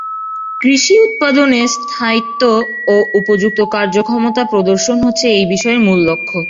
কৃষি উৎপাদনে স্থায়িত্ব ও উপযুক্ত কার্য ক্ষমতা প্রদর্শন হচ্ছে এই বিষয়ের মূল লক্ষ্য।